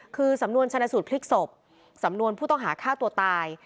คือสำนวนชนะสูตรพลิกศพสำนวนผู้ต้องหาฆ่าตัวตาย